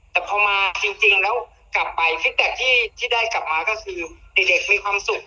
แต่พอมาจริงจริงแล้วกลับไปคิดแต่ที่ที่ได้กลับมาก็คือเด็กเด็กมีความสุข